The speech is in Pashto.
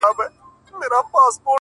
چي څه مستې جوړه سي لږه شانې شور جوړ سي